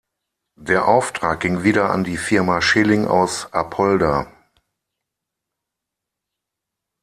Der Auftrag ging wieder an die Firma Schilling aus Apolda.